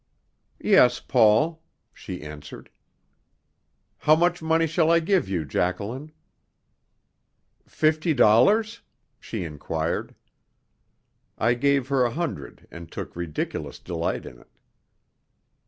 "Yes, Paul," she answered. "How much money shall I give you, Jacqueline?" "Fifty dollars?" she inquired. I gave her a hundred, and took ridiculous delight in it.